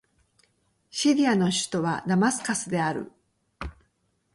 シリアの首都はダマスカスである